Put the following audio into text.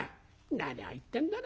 「何を言ってんだね